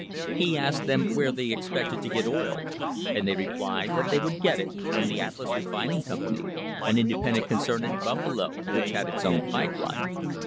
He asked them where they ex pected to get oil, and they replied that they would get it from the Atlas Refining Company, an independent concern in Buffalo, which had its own pipe line.